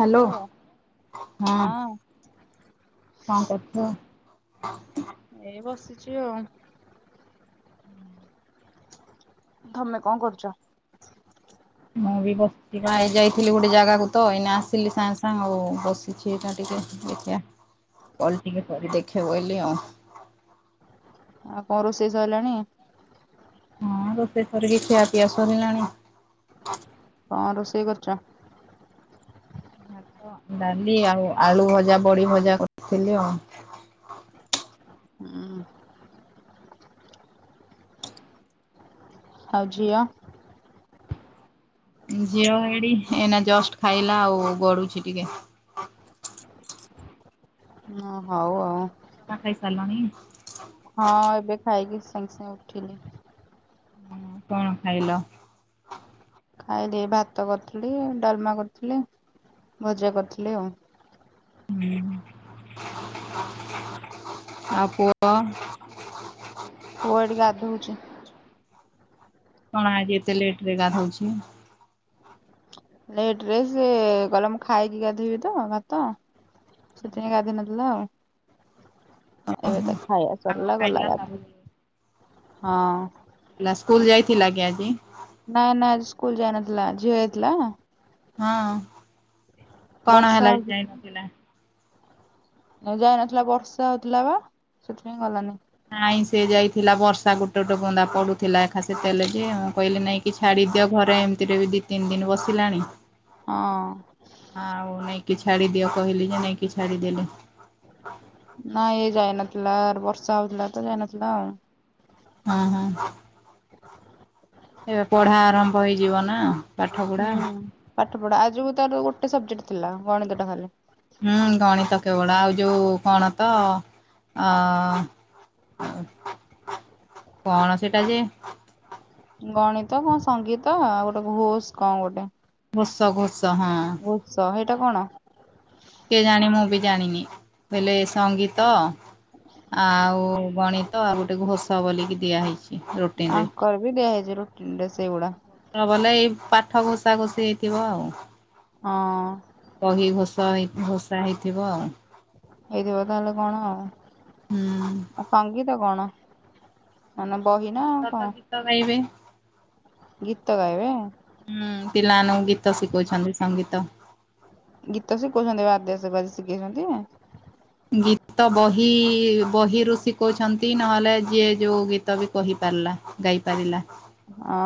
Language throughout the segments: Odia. ହ୍ୟାଲୋ ହଁ। କଣ କରୁଛ? ଏଇ ବସିଛି ଆଉ। ତମେ କଣ କରୁଛ? ମୁଁ ବି ବସି ଯାଇଥିଲି ଗୋଟେ ଜାଗାକୁ ତ ଏଇନା ଆସଥିଲି ସାଙ୍ଗେ ସାଙ୍ଗେ ଆଉ ବସିି। କିଛି ଟିକେ ଦେଖିବା କଲ ଟିକେ ସ ଦେଖିବାକୁ କହିଲି ଆଉ। ଆଉ କଣ ରୋଷେଇ ସଇଲାଣି। ହଁ ରୋଷଇ ସାରିକିଖିଆପିଆ ସାରିଲାଣି। କଣ ରୋଷେଇ କରୁଛ। ଭାତ ଡାଲି ଆଉ ଆଳୁ ଭଜା ବଡି ଭଜା କରିଥିଲି ଆଉ। ଉଁ ହୁଁ। ଆଉ ଝିଅ। ଝିଅ ଏଡି ଏଇନା ଜଷ୍ଟ ଖାଇଲା ଆଉ ଗଡୁଛି ଟିକେ। ହଁ ହଉ ଆଉ। ତମେ ଖାଇସାରଣିି। ହଁ ଏବେ ଖାଇକି ସାଙ୍ଗେ ସାଙ୍ଗେ ଉଠିଲି। ହଁ କଣ ଖାଇଲ। ଖାଇଲି ଭାତ କରିଥିଲି ଡାଲମା କରିଥିଲି ଭଜା କରିଥିଲି ଆଉ। ଆଉ ପୁଅ। ପୁଅ ଏଠି ଗାଧଉଛି। କଣ ଆଜି ଏତେ ଲେଟ ରେ ଗାଧଉଛି। ଲେଟ ରେ ସେ ଗିଲ ମୁଁ ଖାଇକି ଗାଧୋଇବି ତ ଭାତ। ସେଥି ପାଇଁ ଗାଧେନଥିଲ ଆଉ। ଏବେ ତ ଖାଇବା ଆଗ ସରିଲା ଗଲା ଖାଇଲା ଗାଧେଇ ହଁ। ହେଲା ସ୍କୁଲ ଯାଇଥିଲା କି ଆଜି। ନାଇଁ ନାଇଁ ସ୍କୁଲ ଯାଇ ନଥିଲା ଝିଅ ଯାଇଥିଲା। ହଁ କଣ ବର୍ଷା ହେଲା ହଉଥିଲା। ଯାଇନଥିଲା। ଯାଇ ନଥିଲା ବର୍ଷା ହଉଥିଲା ବା ସେଥିପାଇଁ ଗଲାନି। ନାଇଁ ସେ ଯାଇଥିଲା ବର୍ଷା ଗୋଟେ ଗୋଟେ ବୁନ୍ଦା ପଡୁଥିଲା ଏକା ସେତେଳେ ଯେ ମୁଁ କହିଲି ନାଇଁ କି ଛାଡ଼ିଦିଅ ଘରେ ଏମିତିରେ ବି ଦି ତିନି ଦିନ ବସିଲାଣି। ହଁ। ହଁ ଆଉ ନେଇକି ଛାଡିଦିଅ କହିଲି ଯେ ନେଇକି ଛାଡିଦେଲେ। ନାଇଁ ଏ ଯାଇନଥିଲା ବର୍ଷା ହଉଥିଲା ତ ଯାଇନଥିଲା ଆଉ। ହଁ ହଁ। ଏବେ ପଢା ଆରମ୍ଭ ହେଇଯିବ ନା। ପାଠ ପଢା। ହୁଁ ପାଠ ପଢା ଆଜିକୁ ତାର ଗୋଟେ ସବଜେକ୍ଟ ଥିଲା ଗଣିତ ଟା ଖାଲି। ହୁଁ ଗଣିତ କେବଳ ଆଉ ଯୋଉ କଣ ତ ଅ କଣ ସେଟା ଯେ ଗଣିତ କଣ ସଙ୍ଗୀତ ଆଉ ଗୋଟେ ଘୋଷ କଣ ଗୋଟେ। ଘୋଷ ଘୋଷ ହଁ। ବୁଷ ସେଇଟା କଣ? କିଏ ଜାଣି ମୁଁ ବି ଜାଣିନି ବୋଇଲେ ସଙ୍ଗୀତ ଆଉ ଗଣିତ ଆଉ ଗୋଟେ ଘୋଷା ବୋଲିକି ଦିଆହଇଛି ରଟି ଆଙ୍କର ବିି ଦିଆଯଇଛି ରୁଟିନି ସେଇଗୁଡା। ବଲେ ଏଇ ପାଠ ଘୋଷା ଘୋଷି ହେଇଥିବ ଆଉ। ହଁ। ବହି ଘସ ହେଇ ଘସା ହେଇଥିବ ଆଉ। ହେଇଥିବ ତାହେଲେ କଣ ଆଉ ହୁଁ। ଆଉ ସଙ୍ଗୀତ କଣ? ମାନେ ବହି ନା ସଙ୍ଗୀତ ତ କଣ ଗୀତ ଗାଇବେ। ଗୀତ ଗାଇବେ। ହୁଁ ପିଲାମାନଙ୍କୁ ଗୀତ ଶିଖଉଛନ୍ତି ସଙ୍ଗୀତ। ଗୀତ ଶିଖଉଛନ୍ତି ବାଦ୍ୟାସ ଆଜି ଶିଖେଇଛନ୍ତି। ଗୀତ ବହି ବହିରୁ ଶିଖଉଛନ୍ତି ନହେଲେ ଯିଏ ଯୋଉ ଗୀତ ଗୀତ ବି କହି ପାରିଲା ଗାଇ ପାରିଲା। ଅ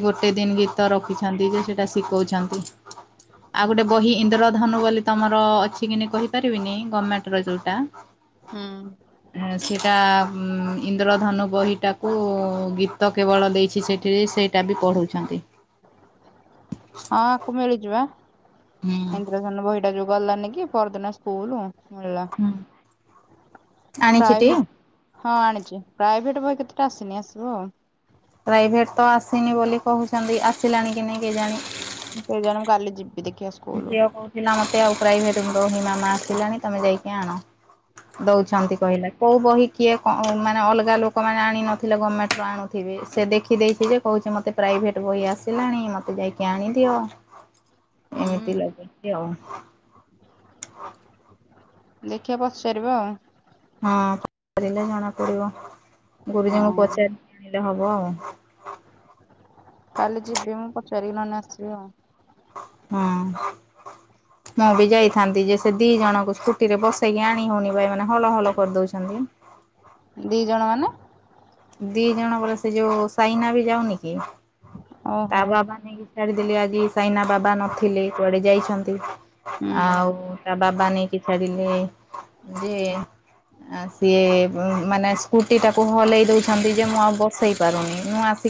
ଗୋଟେ ଦିନ ଗୀତ ରଖିଛନ୍ତି ଯେ ସେଇଟା ଶିଖଉଛନ୍ତି। ଆଉ ଗୋଟେ ବହି ଇନ୍ଦ୍ରଧନୁ ବୋଲି ତମର ଅଛି କି ନେ କହିପାରିବିନି ଗମେଣ୍ଟ ର ଯୋଉଟା। ହଁ। ଆ ସେଟା ଉଁ ଇନ୍ଦ୍ରଧନୁ ବହିଟାକୁ ଗୀତ କେବଳ ଦେଇଛି ସେଠିରେ ସେ ଟା ବି ପଢ଼ୁଛନ୍ତି। ହଁ ଆକୁ ମିଳୁଚି ବା ହୁଁ ଇନ୍ଦ୍ରଧ [unintelligible] ବହିଟା ଯ ଗଲିଲାନି କି ପର୍ ଦିନ ସ୍କୁଲୁ। ମିଲା ହୁଁ ଆଣିଛିଟି? ପ୍ରାଇଭେ ହଁ ଆଣିଛି ପ୍ରାଇଭେଟ ବହି କେତେଟା ଆସିନି ଆସିବ ଆଉ। ପ୍ରାଇଭେଟ୍ ତ ଆସିନି ବୋଲି କହୁଛନ୍ତି ଆସିଲାଣି କି ନାଇ କେଜାଣି। କେଜାଣି ମୁଁ କାଲି ଯିବି ଦେଖିଆ ସୁ ଝିଅ କହୁଥିଲା ମତେ ଆଉ ପ୍ରାଇଭେଟ ନୁ ଦଉନି ମାମା ଆସିଲାଣି ତମେ ଯାଇକି ଆଣ। ହୁଁ। ଦଉଛନ୍ତି କହିଲା। କଉ ବହି କିଏ କ ମାନେ ଅଲଗା ଲୋକମାନେ ଆଣି ନଥିଲେ ଗମେଣ୍ଟରୁ ଆଣୁଥିବେ ସେ ଦେଖିଦେଇଛି ଯେ କଉଛି ମୋତେ ପ୍ରାଇଭେଟ୍ ବଇ ଆସିଲାଣି ମୋତେ ଯାଇକି ଆଣିଦିଅ। ହୁଁ ଏମିତି ଲାଗିଛି ଆଉ। ଦେଖିଆ ପଚାରିବା ଆଉ। ହଁ [unintelligible] ଲେ ଜଣା ପଡିବ ଗୁରୁଜୀଙ୍କୁ ହଁ ପଚାରି ଆଣିଲେ ହବ ଆଉ। କାଲି ଯିବି ମୁଁ ପଚାରିକି ନହନେ ଆସିବି ଆଉ। ହୁଁ। ମୁଁ ବି ଯାଇଥାନ୍ତି ଯେ ସେ ଦି ଜଣଙ୍କୁ ସ୍କୁଟିରେ ବସେଇକି ଆଣି ହେଉନି ବା ଏମାନେ ହଲ ହଲ କରିଦଉଛନ୍ତି। ଦି ଜଣ ମାନେ? ଦି ଜଣ ବୋଲେ ସେ ଯୋଉ ସାଇନା ବି ଯାଉନି କି। ତା ଓହୋ ବାବା ନେଇକି ଛାଡିଦେଲେ ଆଜି ସାଇନା ବାବା ନଥିଲେ କୁଆଡେ ଯାଇଛନ୍ତି। ହୁଁ ଆଉ ତା ବାବା ନେଇକି ଛାଡିଲେ। ଯେ ଆ ସିଏ ବ ମାନେ ସ୍କୁଟି ଟାକୁ ହଲେଇ ଦଉ ଚନ୍ତି ଯେ ମୁଁ ଆଉ ବସେଇ ପାରୁନି ମୁଁ ଆସି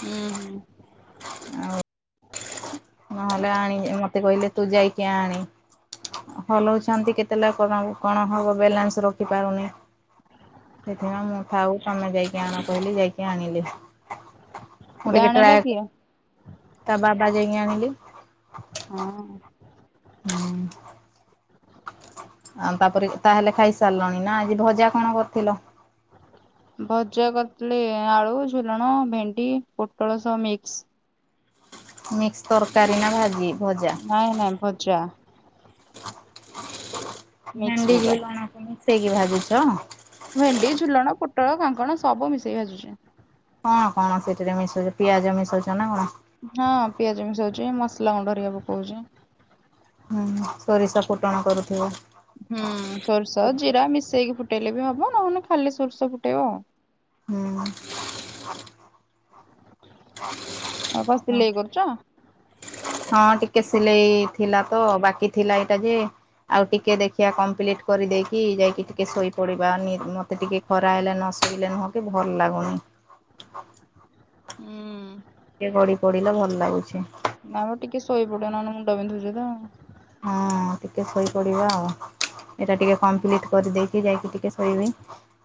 ହୁଁ ହୁଁ। ଆଉ ନହେଲେ ଆଣି ମତେ କହିଲେ ତୁ ଯାଇକି ଆଣି ହଲଉଚନ୍ତି କେତେଲେ କନ ହ କଣ ହବ ବାଲାନ୍ସ ରଖିପାରୁନି। ସେଥିପାଇଁ ମୁଁ ଥାଉ ତମେ ଯାଇକି ଆଣ କହିଲି ଯାଇକି ଆଣିଲି। ମୁଁ ଏବେ ଟିକେ ଆଣିଲା ଟ୍ରାଏ କିଏ? ତା ବାବା ଯାଇକି ଆଣିଲି। ହଁ। ହଉ। ତାପରେ ତାହେଲେ ଖାଇସାରିଲଣି ନା ଆଜି ଭଜା କଣ କରିଥିଲ? ଭଜା କରିଥିଲି ଆଳୁ ଝୁଲଣ ଭେଣ୍ଡି ପୋଟଳ ସହ ମିକ୍ସ। ମିକ୍ସ ତରକାରୀ ନା ଭାଜି? ଭଜା ନାଇଁ ନାଇଁ ଭଜା। ମିକ୍ସ ଭେଣ୍ଡି ଭଜା ଝୁଲଣକୁ ମିଶେଇକି ଭାଜୁଛ? ଭେଣ୍ଡି ଝୁଲଣ ପୋଟଳ କାଙ୍କଣ ସବୁ ମିଶେଇ ଭାଜୁଛି। କଣ କଣ ସେଠିରେ ମିଶଉଛ ପିଆଜ ମିଶଉଛ ନା କଣ? ହଁ ପିଆଜ ମିଶଉଛି ମସଲା ଗୁଣ୍ଡ ରିକା ପକଉଛି। ହୁଁ ସୋରିଷ ଫୁଟଣ କରୁଥିବ? ହୁଁ ସୋରିଷ ଜିରା ମିଶେଇକି ଫୁଟେଇଲେ ବି ହବ ନହେଲେ ଖାଲି ସୋର୍ଷ ଫୁଟେଇବ ଆଉ। ହୁଁ। ଆଉ କ ସିଲେଇ କରୁଛ? ହଁ ଟିକେ ସିଲେଇ ଥିଲା ତ ବାକି ଥିଲା ଏଇଟା ଯେ ଆଉ ଟିକେ ଦେଖିଆ କମ୍ପ୍ଲିଟ କରିଦେଇକି ଯାଇକି ଟିକେ ଶୋଇପଡ଼ିବା ନି ମୋତେ ଟିକେ ଖରା ଏଲେ ନ ଶୋଇଲେ ନୁହ ଟିକେ ଭଲ ଲାଗୁନି। ହୁଁ ଟିକେ ଗଡି ପଢିଲେ ଭଲ ଲାଗୁଚି। ନା ବା ଟିକେ ଶୋଇ ପଡିବ ନହେଲେ ମୁଣ୍ଡ ବିିନ୍ଧୁଛି ତ। ହଁ ଟିକେ ଶୋଇପଡିବା ଆଉ। ଏଇଟା ଟିକେ କମ୍ପ୍ଲିଟ୍ କରିଦେଇକି ଯାଇକି ଟିକେ ଶୋଇବି।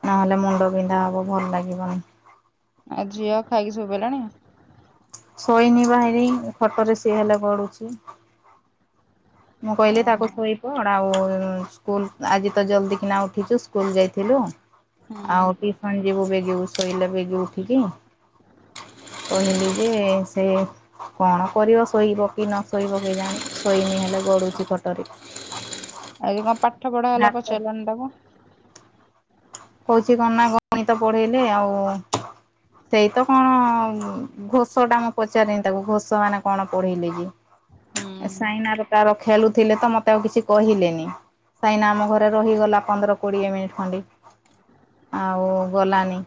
ନହେଲେ ମୁଣ୍ଡ ବିନ୍ଧା ହବ ଭଲ ଲାଗିବନି। ଆଉ ଝିଅ ଆଉ ଖାଇକି ଶୋଇ ପଡ଼ିଲାଣି? ଶୋଇନି ବା ଏୟୀ ଖଟରେ ସିଏ ହେଲେ ଗଡୁଛି। ମୁଁ କହିଲି ଓହୋ ତାକୁ ଶୋଇ କଣ ଆଉ ସ୍କୁଲ ଆଜି ତ ଜଲଦି କିନା ଉଠିଛୁ ସ୍କୁଲ ଯାଇଥିଲୁ। ହୁଁ। ଆଉ ଟିଉସନ ଯିବୁ ବେଗିବୁ ଶୋଇଲା ବେଗି ଉଠିକି। କହିଲି ଯେ ସେ କଣ କରିବ, ଶୋଇବ କି ନ ଶୋଇବ କେଜାଣି ଶୋଇନି ହେଲେ ଗଡୁଛି ଖଟରେ। ଆଉ କଣ ପାଠ ପଢା ହେଲା ଭାତ ପଚାରିଲନି ତାକୁ। କହୁଛି କଣ ନା ଗଣିତ ପଢେଇଲେ, ଆଉ ସେଇ ତ କଣ ଘୋଷ ଟା ମୁଁ ପଚାରିନି ତାକୁ ଘୋଷ ମାନେ କଣ ପଢେଇଲେ କି ହଁ ଏ ସାଇନାର ର ଖେଳୁଥିଲେ ତ ମତେ ଆଉ କିଛି କହିଲେନି। ସାଇନା ଆମ ଘରେ ରହିଗଲା ପନ୍ଦର କୋଡ଼ିଏ ମିନିଟ୍ ଖଣ୍ଡେ ଆଉ ଗଲାନି।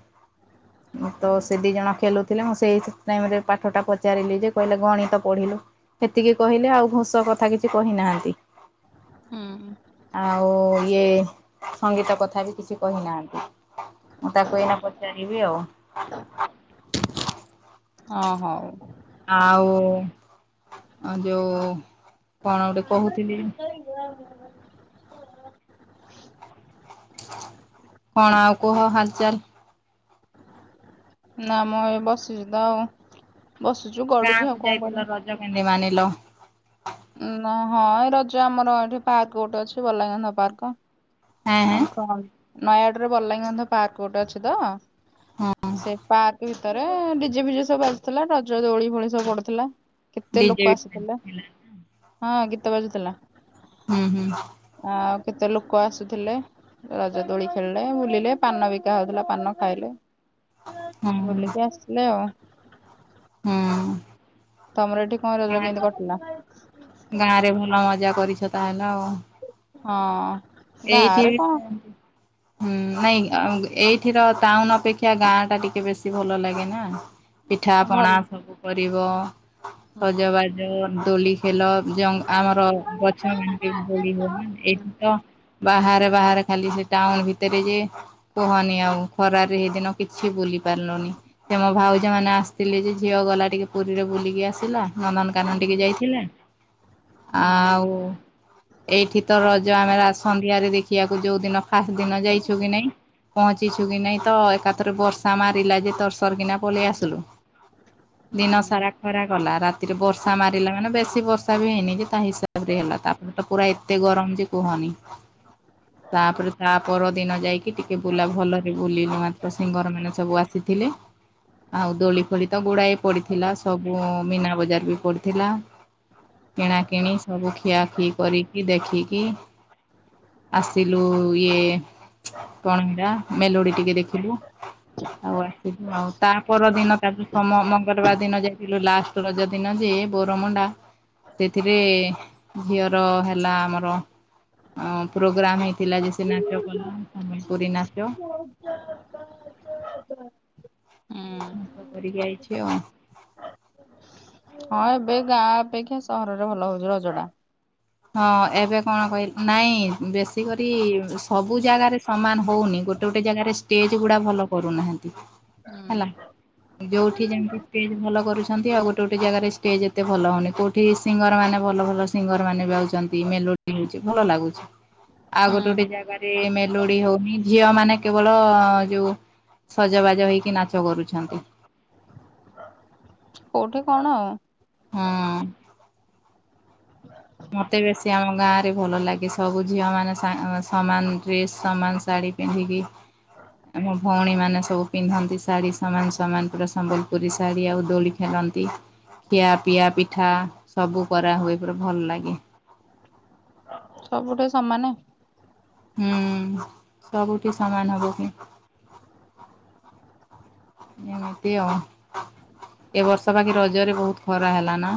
ମୁଁ ତ ସେ ଦିଇ ଜଣ ଖେଲୁଥିଲେ ମୁଁ ସେଇ ଟାଇମରେ ପାଠଟା ପଚାରିଲି ଯେ କହିଲେ ଗଣିତ ପଢ଼ିଲୁ। ହେତିକି କହିଲେ ଆଉ ଘୋସ କଥା କିଛି କହିନାହାନ୍ତି। ଆଉ ଇଏ ସଙ୍ଗୀତ କଥା ବି କିଛି କହିନାହାନ୍ତି। ମୁଁ ତାକୁ ଏଇନା ପଚାରିବି ଆଉ। ହଁ ହଉ। ଆଉ ଯୋଉ କଣ ଗୋଟେ କହୁଥିଲି [inaudible] କଣ ଆଉ କୁହ ହାଲଚଲ? ନା ମୁଁ ଏ ବସିଛି ତ ଆଉ ବସୁଛୁ ଗଡୁଛି ଗାଁକୁ ଆଉ କଣ ଯାଇଥିଲ କର ରଜ କେମିତି ମାନିଲ? ନ ହଁ ଏଇ ରଜ ଆମର ଏଠି ପାର୍କ ଗୋଟେ ଅଛି [unintelligible] ପାର୍କ ହେଁ ହେଁ ଆମ ନୟାଗଡରେ ବଲାଙ୍ଗୀଗନ୍ଧ ପାର୍କ ଗୋଟେ ଅଛି ତ ହଁ ସେ ପାର୍କ ବି ଭିତରେ ଡିଜେ ଫିଜେ ସବୁ ବାଜୁଥିଲା, ରଜ ଦୋଳି ଫୋଳି ସବୁ ପଡୁଥିଲା, କେତେ ଡିଜେ ଲୋକ ଆସିଥିଲେ। ଥିଲା। ହଁ ଗୀତ ବାଜୁଥିଲା। ହୁଁ ହୁଁ। ଆଉ କେତେ ଲୋକ ଆସୁଥିଲେ। ରଜ ଦୋଳି ଖେଳିଲେ ବୁଲିଲେ ପାନ ବିକା ହଉଥିଲା ପାନ ଖାଇଲେ। ହୁଁ ବୁଲିକି ଆସିଲେ ଆଉ। ହୁଁ। ତମର ଏଠି କଣ ରଜ କେମିତି କଟିଲା? ଗାଁ ରେ ଭଲ ମଜା କରିଛ ତା ହେଲେ ଆଉ। ହଁ। ଏଇଠି ଗାଁରେ ବି କଣ ହୁଁ ନାଇଁ ଏଇଠି ର ଟାଉନ ଅପେକ୍ଷା ଗାଁ ଟା ଟିକେ ବେଶୀ ଭଲ ଲାଗେ ନା? ପିଠା ଭଲ ପଣା ସବୁ କରିବ, ହୁଁ। ସଜବାଜ, ଦୋଳି ଖେଲ ଜଙ୍ଗ ଆମର ଗଛ ମାନକ ଦୋଳି ହୁଏନା ହୁଁ ଏଇଠି ତ। ବାହାରେ ବାହାରେ ଖାଲି ସେ ଟାଉନ ଭିତରେ ଯେ କୁହନି ଆଉ। ଖରାରେ ହେଇ ଦିନ କିଛି ବୁଲି ପାରିଲୁନି। ସେ ମୋ ଭାଉଜ ମାନେ ଆସିଥିଲେ ଥିଲି ଯେ ଝିଅ ଗଲା ଟିକେ ପୁରୀରେ ବୁଲିକି ଆସିଲା ନନ୍ଦନ କାନନ ହୁଁ ଟିକେ ଯାଇଥିଲା। ହୁଁ। ଆଉ ଏଇଠି ତ ରଜ ଆମେ ରାସ ସନ୍ଧ୍ୟାରେ ଦେଖିବାକୁ ଯୋଉ ଦିନ ଫାଷ୍ଟ ଦିନ ଯାଇଛୁ କି ନାଇଁ ପହଞ୍ଚିଛୁ କି ନାଇଁ ତ ଏକାଥରେ ବର୍ଷା ମାରିଲା ଯେ ତରସର କିିନା ପଳେ ଇଆସିଲୁ ଦିନ ହୁଁ ସାରା। ଖରା କଲା ରାତିରେ ବର୍ଷା ମାରିଲା ମାନେ ବେଶୀ ବର୍ଷା ବି ହେଇନି କି ତା ହିସାବରେ ହେଲା ତାପରେ ତ ପୁରା ଏତେ ଗରମ ଯେ କୁହନି। ତାପରେ ତା ପର ଦିନ ଯାଇକି ଟିକେ ବୁଲା ଭଲରେ ବୁଲିଲୁ ମାତ୍ର ସିଙ୍ଗର ମାନେ ସବୁ ଆସି ସିଏ ଥିଲେ। ଆଉ ଦୋଳି ଫୋଳି ତ ଗୁଡାଏ ପଡିଥିଲା, ସବୁ ମୀନା ବଜାର ବି ପଡିଥିଲା। କିଣାକିଣି ସବୁ ଖିଆ ଖି କରିକି ଦେଖିକି ଆସିଲୁ ଇଏ କଣ ଏଇଟା ମେଲୋଡି ଟିକେ ଦେଖିଲୁ। ଆଉ ଆସିନୁ ଆଉ ତା ପର ଦିନ ତା ସୋମ ମଙ୍ଗଳବାର ଦିନ ଯାଇକି ଲାଷ୍ଟ ରଜ ଦିନ ଯେ ବରମୁଣ୍ଡା ସେଥିରେ ଝିଅର ହେଲା ଆମର ଆଉ ପ୍ରୋଗ୍ରାମ ହେଇଥିଲା ଯେ ସେ ନାଚ କଲା ସମ୍ବଲପୁରୀ ନାଚ। [unintelligible] ହୁଁ। ଏମତ କରିକି ଆଇଛି ଆଉ। ହଁ ଏବେ ଗାଁ ଅପେକ୍ଷା ସହରରେ ଭଲ ହଉଛି ରଜଟା। ହଁ ଏବେ କଣ କହିଲ ନାଇଁ ବେଶି ବେଶି କରି ସବୁ ଜାଗାରେ ସମାନ ହଉନି ଗୋଟେ ଗୋଟେ ଗୋଟେ ଜାଗାରେ ଷ୍ଟେଜ ଗୁଡା ଭଲ କରୁନାହାନ୍ତି ହେଲା ହୁଁ ଯୋଉଠି ଯେମିତି ଷ୍ଟେଜ୍ ଭଲ କରୁଛନ୍ତି ଆଉ ଗୋଟେ ଗୋଟେ ଜାଗାରେ ଷ୍ଟେଜ୍ ଏତେ ଭଲ ହଉନି କୋଉଠି ସିଙ୍ଗର ମାନେ ଭଲ ଭଲ ସିଙ୍ଗର ମାନେ ଗାଉଛନ୍ତି, ମେଲୋଡି ହଉଛି, ଭଲ ଲାଗୁଛି ଆଉ ଗୋଟେ ଗୋଟେ ହୁଁ ଜାଗାରେ ସେ ମେଲୋଡି ହଉନି ଝିଅ ମାନେ କେବଳ ଯୋଉ ସଜବାଜ ହେଇକି ନାଚ କରୁଛନ୍ତି। କୋଉଠି କଣ? ହଁ। [unintelligible] ମତେ ବେଶୀ ଆମ ଗାଁ ରେ ଭଲ ଲାଗେ ସବୁ ଝିଅ ମାନେ ସମା ସମାନ ଡ୍ରେସ, ସମାନ ଶାଢ଼ୀ ପିନ୍ଧିକି ଆମ ଭଉଣୀ ମାନେ ସବୁ ପିନ୍ଧନ୍ତି ଶାଢୀ ସମାନ ସମାନ ପୁରା ସମ୍ବଲ ପୁରୀ ସାଢୀ ଆଉ ଦୋଳି ଖେଲନ୍ତି, ଖିଆ ପିଆ ପିଠା ସବୁ କରାହୁଏ ପୁରା ଭଲ ଲାଗେ। ସବୁଗୁଡା ସମାନେ? ହୁଁ ସବୁଠି ସମାନ ହବ କି? ଏମିତି ଆଉ ଏ ବର୍ଷ ବାକି ରଜରେ ବହୁତ ଖରା ହେଲା ନା?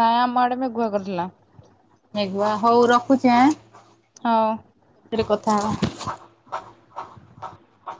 ନା ଆମ ଆଡେ ମେ ମେଘୁଆ କରିଥିଲା। ମେଖୁଆ ହଉ ରଖୁଛି ଆଁ। ହଁ। ପରେ କଥା ହବା। [inaudible]